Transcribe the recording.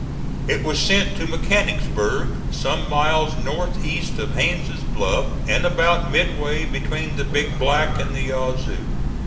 It was sent to Mechanicsburg, some miles north east of Haines' Bluff and about midway between the Big Black and the Yazoo.